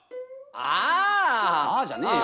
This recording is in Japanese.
「ああ」じゃねえよ。